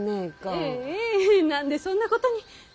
えぇえぇ何でそんなことに。